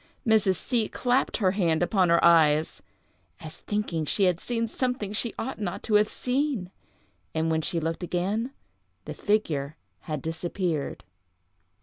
Mrs. C—— clapped her hand upon her eyes, "as thinking she had seen something she ought not to have seen," and when she looked again the figure had disappeared.